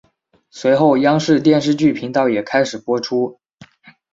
随后央视电视剧频道也开始播出。